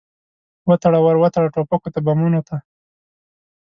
وتړه، ور وتړه ټوپکو ته، بمونو ته